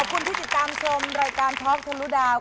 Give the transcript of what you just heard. ขอบคุณที่ติดตามชมรายการท็อกทะลุดาว